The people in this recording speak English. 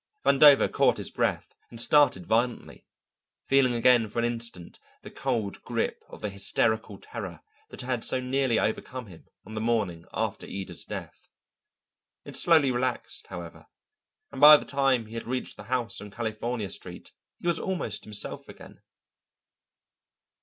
Vandover caught his breath and started violently, feeling again for an instant the cold grip of the hysterical terror that had so nearly overcome him on the morning after Ida's death. It slowly relaxed, however, and by the time he had reached the house on California Street he was almost himself again.